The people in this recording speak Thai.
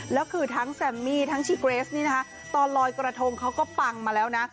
แล้วคือทั้งแซมมี่ทั้งชีเกรสนี่นะคะตอนลอยกระทงเขาก็ปังมาแล้วนะ